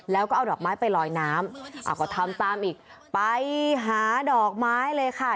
แล้วก็เอาดอกไม้ไปลอยน้ำก็ทำตามอีกไปหาดอกไม้เลยค่ะ